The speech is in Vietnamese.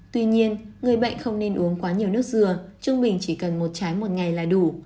tuy nhiên người bệnh không nên uống quá nhiều nước dừa trung bình chỉ cần một trái một ngày là đủ